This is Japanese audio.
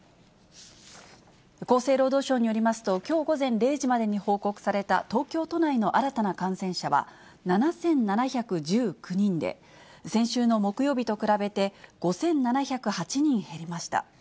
厚生労働省によりますと、きょう午前０時までに報告された東京都内の新たな感染者は７７１９人で、先週の木曜日と比べて５７０８人減りました。